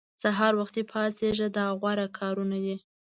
سهار وختي پاڅېږه دا غوره کارونه دي.